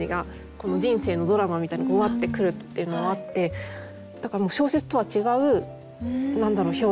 この人生のドラマみたいのがうわって来るっていうのもあってだから小説とは違う表現。